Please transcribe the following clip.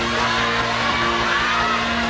พี่